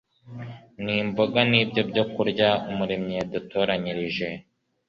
Ni mboga ni byo byokurya Umuremyi yadutoranyirije.